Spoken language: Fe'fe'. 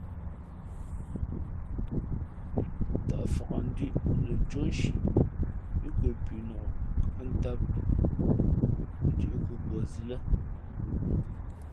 Tαʼ mfakndʉ̄ʼ lαcóʼ nshi pí kwe punok kα̌ʼ tám ndʉ̌ʼ nkhukwα zī lά.